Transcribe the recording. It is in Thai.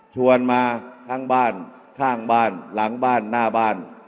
มาทั้งบ้านข้างบ้านหลังบ้านหน้าบ้าน